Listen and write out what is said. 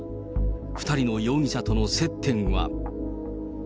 ２人の容疑者との接点は。